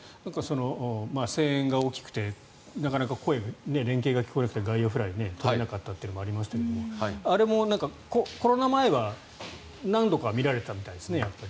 声援が大きくてなかなか声が連携が聞こえなくて外野フライとれなかったというのもありましたけどあれもコロナ前は、何度か見られていたみたいですね。